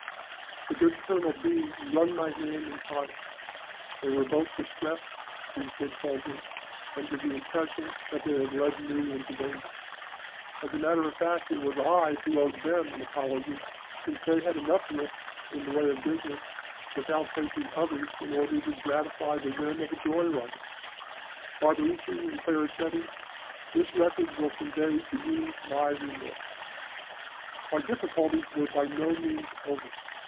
The good Colonel B. wrung my hand in silence. They were both distressed, these good soldiers, under the impression that they had led me into danger. As a matter of fact it was I who owed them an apology, since they had enough risks in the way of business without taking others in order to gratify the whim of a joy rider. Barbariche and Clericetti, this record will convey to you my remorse. Our difficulties were by no means over.